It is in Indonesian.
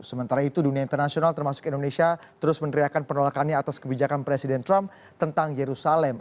sementara itu dunia internasional termasuk indonesia terus meneriakan penolakannya atas kebijakan presiden trump tentang yerusalem